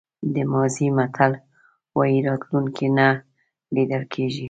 د مازی متل وایي راتلونکی نه لیدل کېږي.